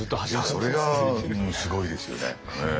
それがすごいですよね。